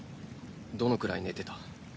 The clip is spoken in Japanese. どのくらい寝てた？